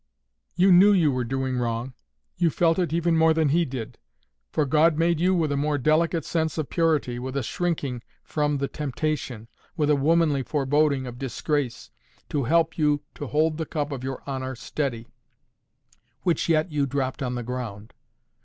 "You knew you were doing wrong. You felt it even more than he did. For God made you with a more delicate sense of purity, with a shrinking from the temptation, with a womanly foreboding of disgrace, to help you to hold the cup of your honour steady, which yet you dropped on the ground.